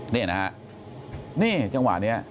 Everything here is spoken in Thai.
นี่นะฮะนี่จังหวะนี้